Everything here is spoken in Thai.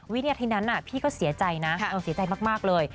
วินาทีนั้นพี่ก็เสียใจนะเสียใจมากเลย